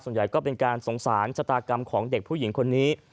ส่วนใหญ่ก็เป็นการสงสารชะตากรรมของเด็กผู้หญิงคนนี้